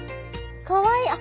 かわいい。